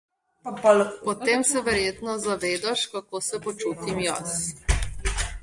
Potem se verjetno zavedaš kako se počutim jaz.